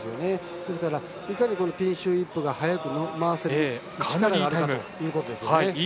ですからいかにピンシュー・イップが速く回せるかということですね。